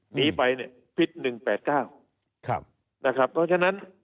หนีไปเนี่ยพิษหนึ่งแปดเก้าครับนะครับเพราะฉะนั้น